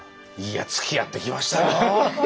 いやつきあってきましたよ！